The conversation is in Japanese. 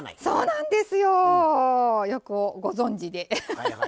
そうなんですよ！よくご存じで。